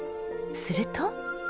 すると。